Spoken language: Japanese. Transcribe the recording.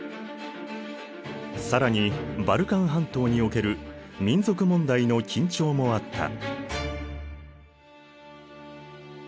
更にバルカン半島における民族問題の緊張もあった。